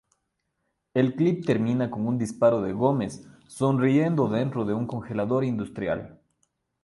El clip termina con un disparo de Gomez sonriendo dentro de un congelador industrial.